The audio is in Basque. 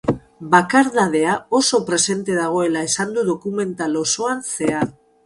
Bakardadea oso presente dagoela esan du dokumental osoan zehar.